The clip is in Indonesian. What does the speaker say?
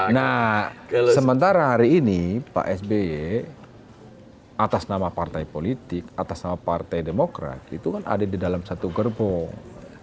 nah sementara hari ini pak sby atas nama partai politik atas nama partai demokrat itu kan ada di dalam satu gerbong